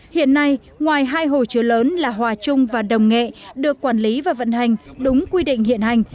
hiện nay ngoài hai hồ chứa lớn là hòa trung và đồng nghệ được quản lý và vận hành đúng quy định hiện hành